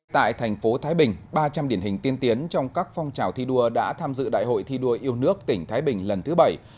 tại thành phố thái bình ba trăm linh điển hình tiên tiến trong các phong trào thi đua đã tham dự đại hội thi đua yêu nước tỉnh thái bình lần thứ bảy hai nghìn hai mươi hai nghìn hai mươi năm